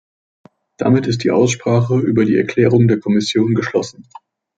Damit ist die Aussprache über die Erklärung der Kommission geschlossen.